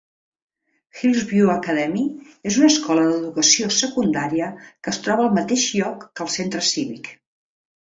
Hillsview Academy és una escola d'educació secundària que es troba al mateix lloc que el centre cívic.